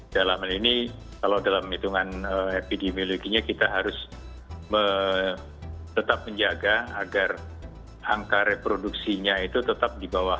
dalam hal ini kalau dalam hitungan epidemiologinya kita harus tetap menjaga agar angka reproduksinya itu tetap di bawah